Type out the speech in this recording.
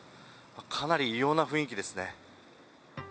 かなり異様な雰囲気ですね。